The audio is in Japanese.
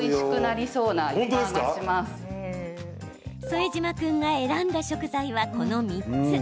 副島君が選んだ食材は、この３つ。